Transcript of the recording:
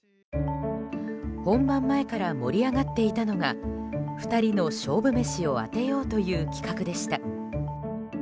本番前から盛り上がっていたのが２人の勝負メシを当てようという企画でした。